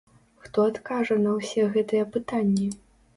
Хто адкажа на ўсе гэтыя пытанні?